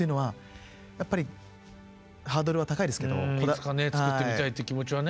いつかね作ってみたいという気持ちはね。